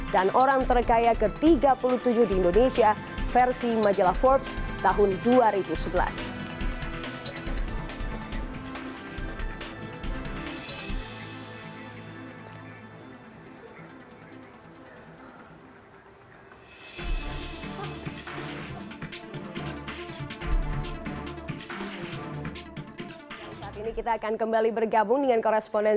dan orang terkaya kini juga berhasil menjadi ketua umum badan pengurus pusat kimpunan pengusaha muda indonesia pada tahun dua ribu lima belas dua ribu delapan belas